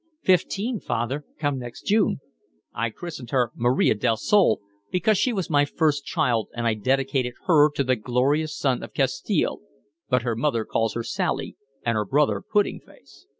"Fifteen, father, come next June." "I christened her Maria del Sol, because she was my first child and I dedicated her to the glorious sun of Castile; but her mother calls her Sally and her brother Pudding Face."